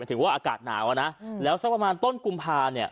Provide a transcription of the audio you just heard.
ถือว่าอากาศหนาวอ่ะนะแล้วสักประมาณต้นกุมภาเนี่ย